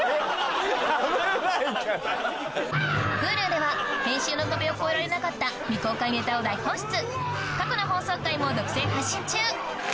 Ｈｕｌｕでは編集の壁を越えられなかった未公開ネタを大放出過去の放送回も独占発信中